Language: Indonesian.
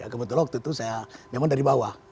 kebetulan waktu itu saya memang dari bawah